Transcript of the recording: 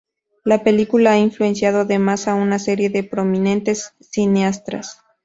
La película ha influenciado además a una serie de prominentes cineastas.